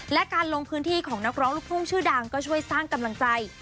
และการลงพื้นที่ของนักร้องลูกทุ่งชื่อดังก็ช่วยสร้างกำลังใจ